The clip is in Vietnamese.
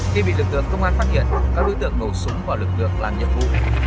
khi bị lực lượng công an phát hiện các đối tượng nổ súng vào lực lượng làm nhiệm vụ